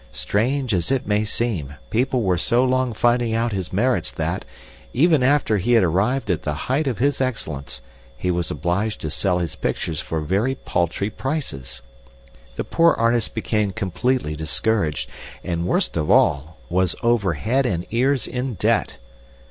Strange as it may seem, people were so long finding out his merits that, even after he had arrived at the height of his excellence, he was obliged to sell his pictures for very paltry prices. The poor artist became completely discouraged, and, worst of all, was over head and ears in debt.